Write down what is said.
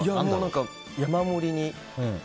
山盛りに。